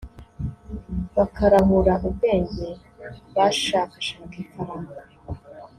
bakarahura ubwenge bashakashaka ifaranga